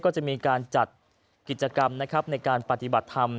ก็จะมีการจัดกิจกรรมนะครับในการปฏิบัติธรรม